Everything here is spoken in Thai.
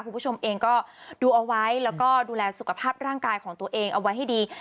คุณผู้ชมเองดูเอาไว้ดูแลสุขภาพร่างกายของตัวเองเอาไว้ดี